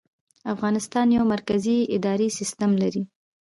افغانستان یو مرکزي اداري سیستم لري